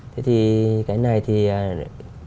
thế thì cái này thì chúng ta